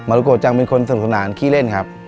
รุโกจังเป็นคนสนุกสนานขี้เล่นครับ